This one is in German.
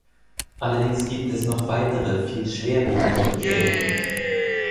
Allerdings gibt es noch weitere, viel schwerwiegendere Bedenken.